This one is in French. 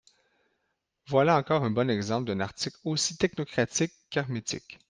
Voilà encore un bon exemple d’un article aussi technocratique qu’hermétique.